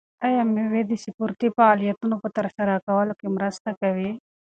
آیا مېوې د سپورتي فعالیتونو په ترسره کولو کې مرسته کوي؟